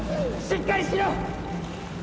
しっかりしろ！